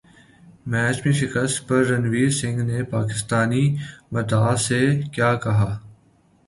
match میں شکست پر رنویر سنگھ نے پاکستانی مداح سے کیا کہا